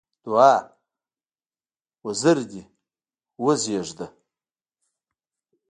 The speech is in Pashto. دوعا: وزر دې وزېږده!